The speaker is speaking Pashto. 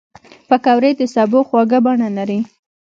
پکورې د سبو خواږه بڼه لري